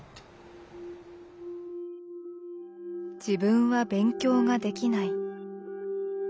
自分は勉強ができない。